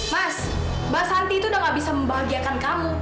mas mbak santi itu sudah tidak bisa membahagiakan kamu